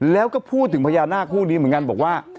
แล้วก็พูดถึงพญานาคคู่นี้เหมือนกันบอกว่า